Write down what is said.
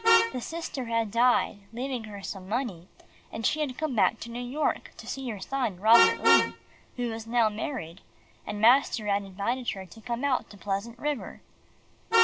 The sister had died leaving her some money, and she had come back to New York to see her son Robert Lee, who was now married, and master had invited her to come out to Pleasant River.